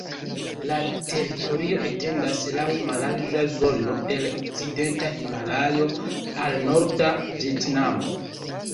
La teritorio etendas laŭ mallarĝa zono el okcidenta Himalajo al norda Vjetnamo.